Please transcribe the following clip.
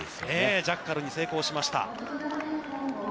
ジャッカルに成功しました。